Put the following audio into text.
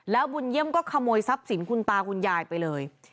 แล้วบุญเยี่ยมก็ขโมยทรัพย์สินคุณตาคุณยายไปเลย